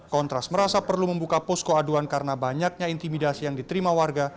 kontras merasa perlu membuka posko aduan karena banyaknya intimidasi yang diterima warga